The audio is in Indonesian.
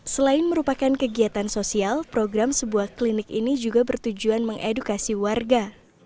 selain merupakan kegiatan sosial program sebuah klinik ini juga bertujuan mengedukasi warga